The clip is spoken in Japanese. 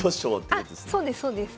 あっそうですそうです。